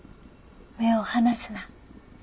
目を離すな。